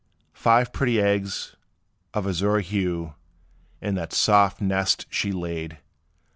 Five pretty eggs of azure hue, In that soft nest she laid.